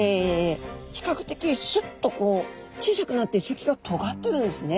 比較的シュッとこう小さくなって先がとがってるんですね。